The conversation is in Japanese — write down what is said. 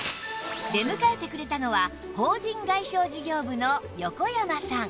出迎えてくれたのは法人外商事業部の横山さん